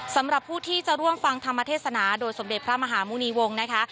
สำหรับผู้ที่จะร่วมฟังธรรมเทศนาโดยสมเด็จพระมหาหมุณีวงศ์นะคะ